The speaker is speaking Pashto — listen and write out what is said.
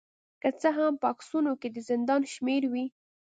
که څه هم په عکسونو کې د زندان شمیرې وې